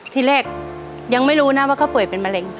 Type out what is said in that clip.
ที่แรกยังไม่รู้นะว่าเขาป่วยเป็นมะเร็ง